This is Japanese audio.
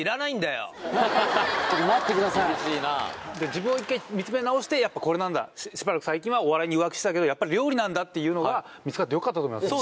自分を一回見つめ直してやっぱこれなんだ最近はお笑いに浮気してたけどやっぱり料理なんだっていうのが見つかってよかったと思います